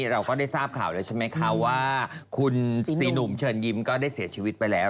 เราก็ได้ทราบข่าวแล้วใช่ไหมคะว่าคุณซีหนุ่มเชิญยิ้มก็ได้เสียชีวิตไปแล้ว